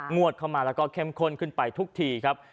วดเข้ามาแล้วก็เข้มข้นขึ้นไปทุกทีครับ